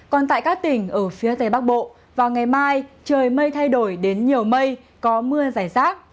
còn tại các tỉnh ở phía tây bắc bộ vào ngày mai trời mây thay đổi đến nhiều mây có mưa giải rác